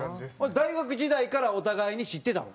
大学時代からお互いに知ってたの？